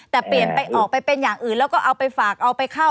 แต่เปลี่ยนไปออกไปเป็นอย่างอื่นแล้วก็เอาไปฝากเอาไปเข้า